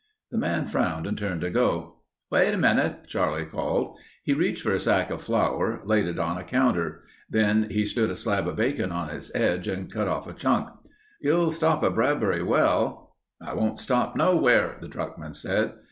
The man frowned and turned to go. "Wait a minute," Charlie called. He reached for a sack of flour, laid it on a counter. Then he stood a slab of bacon on its edge and cut off a chunk. "You'll stop at Bradbury Well—" "I won't stop nowhere," the truckman said.